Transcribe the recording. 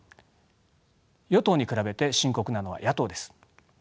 与党に比べて深刻なのは野党です。